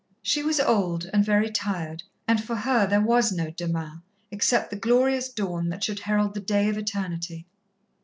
She was old and very tired, and for her there was no demain, except the glorious dawn that should herald the day of Eternity.